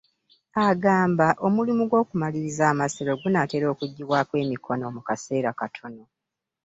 Agamba omulimu gw'okumaliriza amasiro gunaatera okuggyibwako emikono mu kaseera katono.